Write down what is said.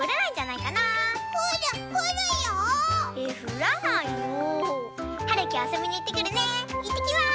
いってきます！